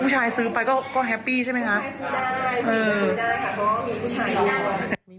ผู้ชายซื้อได้ผู้ชายซื้อได้ก็คือมีผู้ชายดูได้